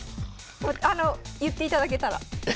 あの言っていただけたら。